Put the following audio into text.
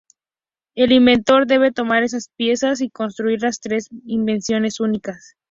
El inventor debe tomar estas piezas y construir tres invenciones únicas.